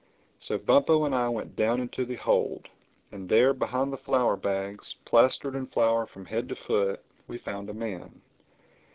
So Bumpo and I went down into the hold; and there, behind the flour bags, plastered in flour from head to foot, we found a man.